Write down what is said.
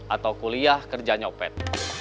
atau kuliah kerja nyopet